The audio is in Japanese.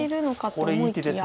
これいい手です。